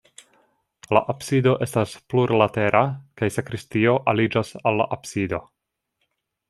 La absido estas plurlatera kaj sakristio aliĝas al la absido.